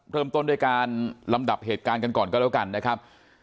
เริ่มต้นด้วยการลำดับเหตุการณ์กันก่อนก็แล้วกันนะครับ